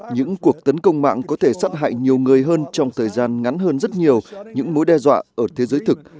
những cuộc tấn công mạng có thể sát hại nhiều người hơn trong thời gian ngắn hơn rất nhiều những mối đe dọa ở thế giới thực